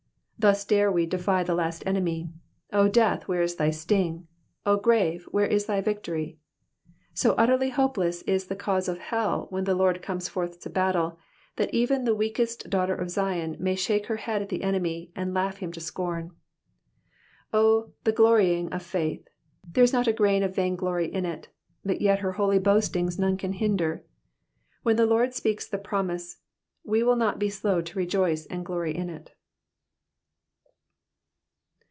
Thus dare we defy the last enemy, O death, where is thy sting ? O grave, where is thy victory ?" So utterly hopeless is the cause of hell when the Lord comes forth to the battle, that even the weakest daughter of Zion may shake her head at the enemy, and laugh him to scorn. O the glorifying of faith I There is not a grain of vain glory in it, but yet her holy boastings none can hinder. When the Lord speaks the promise, we will not be slow to rejoice and glory in it.